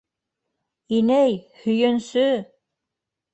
— Инәй, һөйөнсө!